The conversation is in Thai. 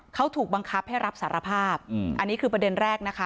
เขาถูกบังคับให้รับสารภาพอันนี้คือประเด็นแรกนะคะ